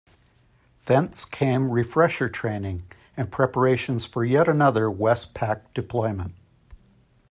Thence came refresher training and preparations for yet another WestPac deployment.